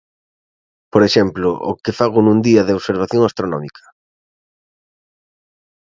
Por exemplo, o que fago nun día de observación astronómica.